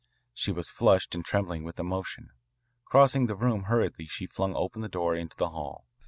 She was flushed and trembling with emotion. Crossing the room hurriedly she flung open the door into the hall.